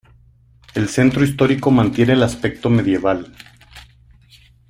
El centro histórico mantiene el aspecto medieval.